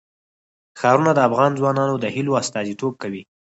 ښارونه د افغان ځوانانو د هیلو استازیتوب کوي.